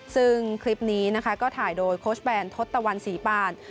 ซึ่งคลิปนี้นะคะก็ถ่ายโดยโค้ชแบนทศตวรรณศรีปาน